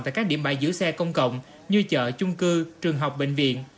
tại các điểm bãi giữ xe công cộng như chợ chung cư trường học bệnh viện